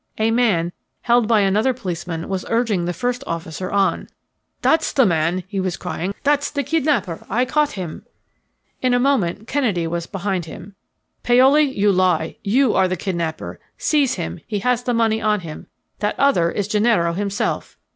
A man, held by another policeman, was urging the first officer on. "That's the man," he was crying. "That's the kidnapper. I caught him." In a moment Kennedy was behind him. "Paoli, you lie. You are the kidnapper. Seize him he has the money on him. That other is Gennaro himself."